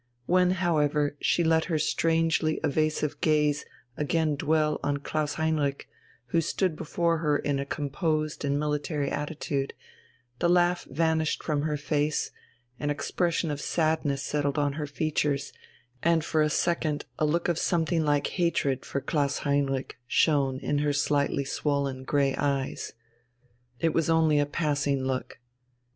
When, however, she let her strangely evasive gaze again dwell on Klaus Heinrich, who stood before her in a composed and military attitude, the laugh vanished from her face, an expression of sadness settled on her features, and for a second a look of something like hatred for Klaus Heinrich shone in her slightly swollen grey eyes. It was only a passing look.